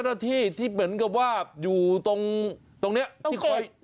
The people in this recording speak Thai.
เดินขึ้นไปวิ่งขึ้นไปด้วย